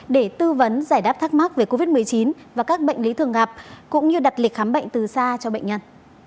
để tư vấn giải đáp thắc mắc về covid một mươi chín và các bệnh lý thường gặp cũng như đặt lịch khám bệnh từ xa cho bệnh nhân